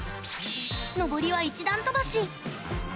上りは一段飛ばし。